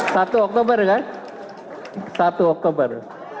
satu oktober kan satu oktober